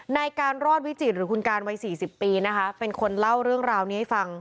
ในการรอดวิจิตหรือคุณการวัยสี่สิบปีนะคะเป็นคนเล่าเรื่องราวนี้ให้ฟัง